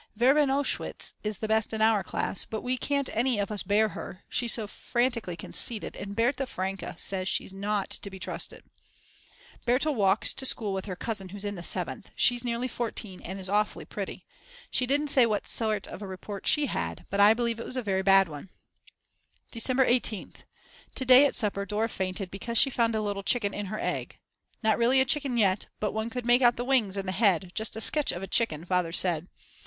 Verbenowitsch is the best in our class, but we can't any of us bear her, she's so frantically conceited and Berta Franke says she's not to be trusted. Berta walks to school with her cousin who's in the seventh; she's nearly 14, and is awfully pretty. She didn't say what sort of a report she had, but I believe it was a very bad one. December 18th. To day at supper Dora fainted because she found a little chicken in her egg, not really a chicken yet, but one could make out the wings and the head, just a sketch of a chicken Father said.